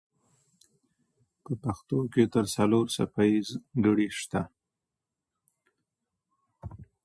په پښتو کې تر څو څپه ایزه ګړې سته؟